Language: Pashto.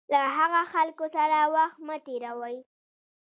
له هغه خلکو سره وخت مه تېروئ.